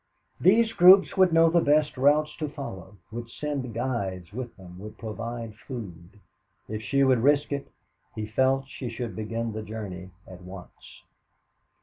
These groups would know the best routes to follow, would send guides with them, would provide food. If she would risk it, he felt that they should begin the journey at once.